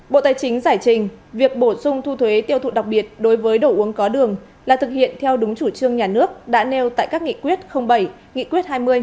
bộ tài chính giải trình việc bổ sung thu thuế tiêu thụ đặc biệt đối với đồ uống có đường là thực hiện theo đúng chủ trương nhà nước đã nêu tại các nghị quyết bảy nghị quyết hai mươi